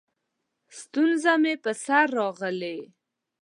ستونزه مې په سر راغلې؛